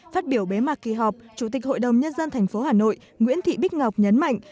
phát biểu bế mạc kỳ họp chủ tịch hội đồng nhân dân tp hà nội nguyễn thị bích ngọc nhấn mạnh